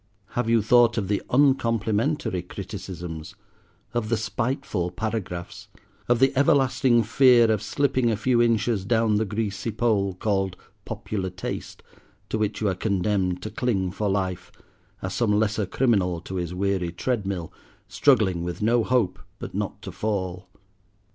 Have you thought of the Uncomplimentary criticisms, of the spiteful paragraphs, of the everlasting fear of slipping a few inches down the greasy pole called 'popular taste,' to which you are condemned to cling for life, as some lesser criminal to his weary tread mill, struggling with no hope but not to fall!